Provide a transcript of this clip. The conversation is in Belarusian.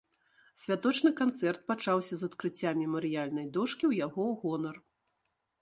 Святочны канцэрт пачаўся з адкрыцця мемарыяльнай дошкі ў яго гонар.